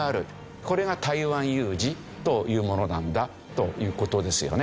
これが台湾有事というものなんだという事ですよね。